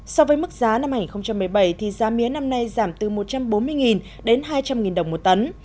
so với mức giá năm hai nghìn một mươi bảy thì giá mía năm nay giảm từ một trăm bốn mươi đến hai trăm linh đồng một tấn